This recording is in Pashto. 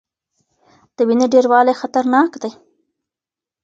د وینې ډیروالی خطرناک دی.